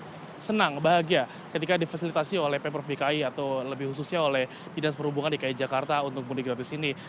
mereka senang bahagia ketika difasilitasi oleh pemprov dki atau lebih khususnya oleh dinas perhubungan dki jakarta untuk mudik gratis ini